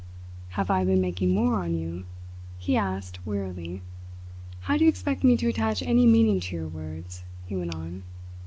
"Have I been making war on you?" he asked wearily. "How do you expect me to attach any meaning to your words?" he went on.